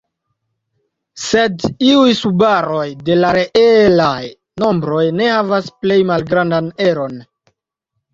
Sed iuj subaroj de la reelaj nombroj ne havas plej malgrandan eron.